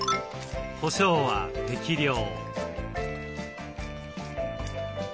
こしょうは適量。